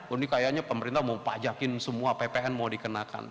ini kayaknya pemerintah mau pajakin semua ppn mau dikenakan